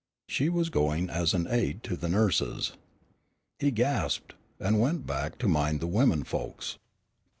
She was going as an aid to the nurses. He gasped, and went back to mind the women folks.